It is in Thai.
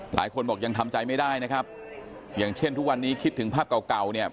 หลายคนบอกยังทำใจไม่ได้นะครับอย่างเช่นทุกวันนี้คิดถึงภาพเก่าเก่าเนี่ย